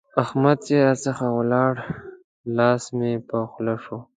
احمد چې راڅخه ولاړ؛ لاس مې په خوله شو.